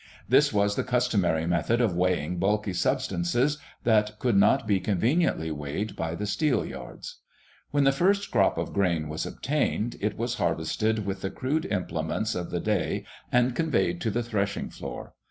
This was the customary method of weighing bulky substances that could not be conveniently weighed by the steelyards. When the first crop of grain was obtained, it was harvested with the crude implements of the day and conveyed to the threshing floor.